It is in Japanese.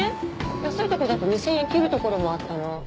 安いとこだと２０００円切るところもあったの。